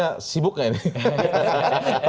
nanti mungkin lain kali kita undang lagi dan masukkan